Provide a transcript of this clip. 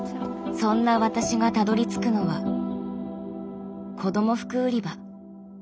そんな私がたどりつくのは子ども服売り場。